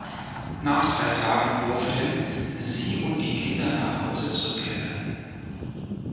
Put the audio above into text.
Nach drei Tagen durften sie und die Kinder nach Hause zurückkehren.